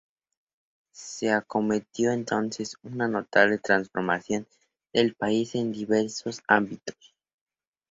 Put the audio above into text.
Se acometió entonces una notable transformación del país en diversos ámbitos.